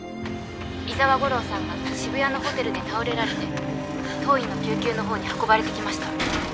「伊沢吾良さんが渋谷のホテルで倒れられて当院の救急のほうに運ばれてきました」